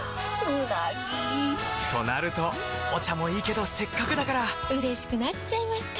うなぎ！となるとお茶もいいけどせっかくだからうれしくなっちゃいますか！